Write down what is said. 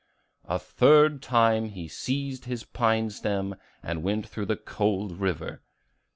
The third time he seized his pine stem, and went through the cold river.